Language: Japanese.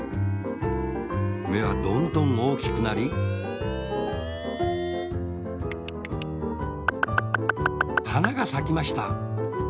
めはどんどんおおきくなりはながさきました。